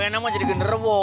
ibu endang mau jadi gender wo